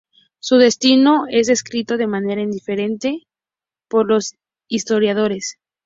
Su destino es descrito de manera diferente por los historiadores.